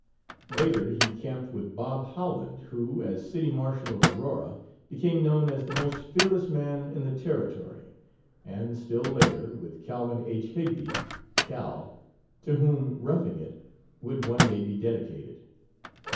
Later he camped with Bob Howland, who, as City Marshal of Aurora, became known as the most fearless man in the Territory, and, still later, with Calvin H. Higbie (Cal), to whom 'Roughing It' would one day be dedicated.